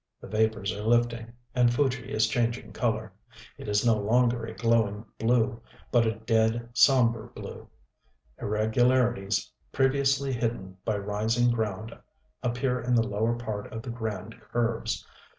The vapors are lifting; and Fuji is changing color. It is no longer a glowing blue, but a dead sombre blue. Irregularities previously hidden by rising ground appear in the lower part of the grand curves.